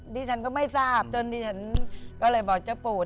ดิฉันก็ไม่ทราบจนดิฉันก็เลยบอกเจ้าปูด